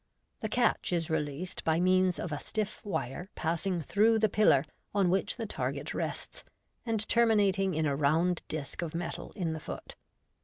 The catch is released by moans of a stiff wire passing through the pillar on which the target rests, and terminating in a round disc of metal in the foot.